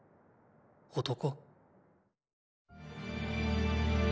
男？